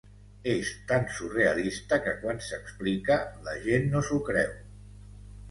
És tan surrealista que quan s’explica la gent no s’ho creu.